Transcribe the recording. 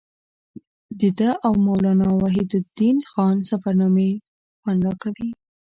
د ده او مولانا وحیدالدین خان سفرنامې خوند راکوي.